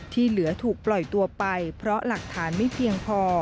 ที่เหลือถูกปล่อยตัวไปเพราะหลักฐานไม่เพียงพอ